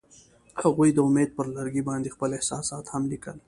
هغوی د امید پر لرګي باندې خپل احساسات هم لیکل.